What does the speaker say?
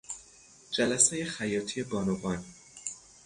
جلسهی خیاطی بانوان